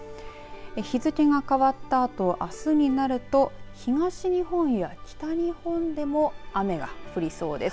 日付が変わったあとあすになると東日本や北日本でも雨が降りそうです。